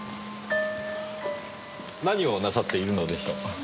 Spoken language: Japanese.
何をなさっているのでしょう？